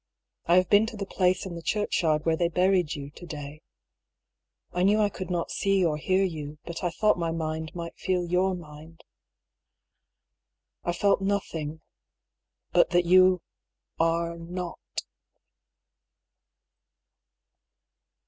I have been to the place in the churchyard where they buried you, to day. I knew I could not see or hear you, but I thought my mind might feel your mind. I felt nothing — but that you — are — not.